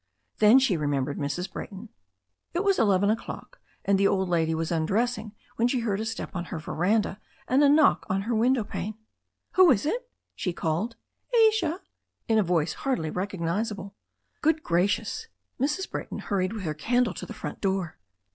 Then she remembered Mrs. Brayton. It was eleven o'clock, and the old lady was undressing when she heard a step on her veranda and a knock on her window pane. "Who is it ?" she called. 'Asia," in a voice hardly recognizable. 'Good gracious!" Mrs. Brayton hurried with her candle to the front door.